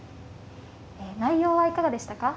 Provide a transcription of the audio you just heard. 内容はいかがでしたか。